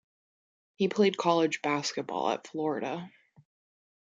He played college basketball at Florida.